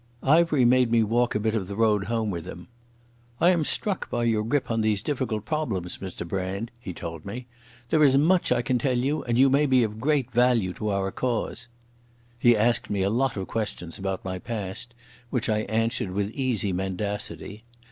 Ivery made me walk a bit of the road home with him. "I am struck by your grip on these difficult problems, Mr Brand," he told me. "There is much I can tell you, and you may be of great value to our cause." He asked me a lot of questions about my past, which I answered with easy mendacity.